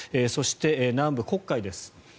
そして、南部黒海です。